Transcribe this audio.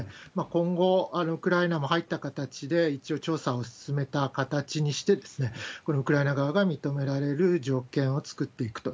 今後、ウクライナも入った形で、一応調査を進めた形にして、このウクライナ側が認められる条件を作っていくと。